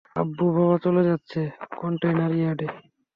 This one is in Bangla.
আব্বু, বাবা চলে যাচ্ছে কনটেইনার ইয়ার্ডে।